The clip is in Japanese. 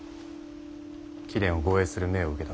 貴殿を護衛する命を受けた。